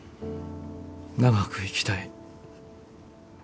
長く生きたい。